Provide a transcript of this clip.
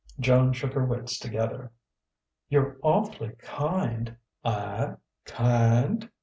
Joan shook her wits together. "You're awf'ly kind " "I kind?"